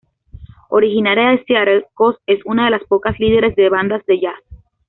Originaria de Seattle, Coss es una de las pocas líderes de bandas de jazz.